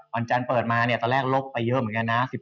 วันจันทร์เปิดมาเนี่ยตอนแรกลบไปเยอะเหมือนกันนะ